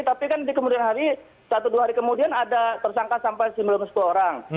tapi kan di kemudian hari satu dua hari kemudian ada tersangka sampai sembilan sepuluh orang